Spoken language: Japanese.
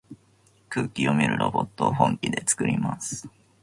空気読めるロボットを本気でつくります。